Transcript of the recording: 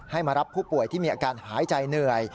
มารับผู้ป่วยที่มีอาการหายใจเหนื่อย